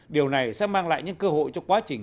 điều này sẽ mang lại những cơ hội cho quá trình